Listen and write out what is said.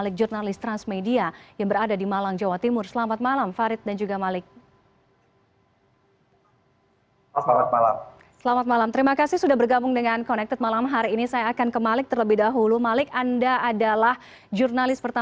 sekitar saya berangkat ke kanjuruan itu mulai pukul tujuh belas sore